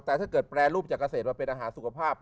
แต่ถ้าเกิดแปรรูปจากเกษตรมาเป็นอาหารสุขภาพ